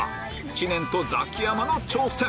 知念とザキヤマの挑戦